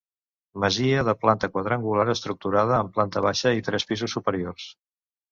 Masia de planta quadrangular estructurada en planta baixa i tres pisos superiors.